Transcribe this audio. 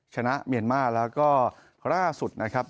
ชนะเมียนมาร์แล้วก็ล่าสุดนะครับ